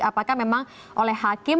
apakah memang oleh hakim